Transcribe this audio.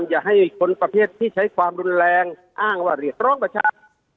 อย่าให้คนประเภทที่ใช้ความรุนแรงอ้างว่าเรียกร้องประชาชน